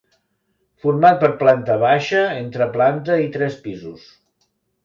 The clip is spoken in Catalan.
Format per planta baixa, entreplanta i tres pisos.